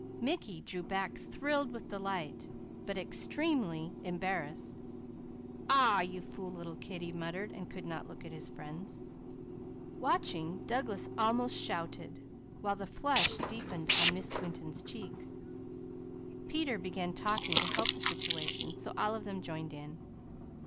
_" Mickey drew back thrilled with delight, but extremely embarrassed. "Aw a ah you fool little kid!" he muttered, and could not look at his friends. Watching, Douglas almost shouted, while the flush deepened on Miss Winton's cheeks. Peter began talking to help the situation, so all of them joined in.